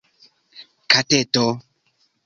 kateto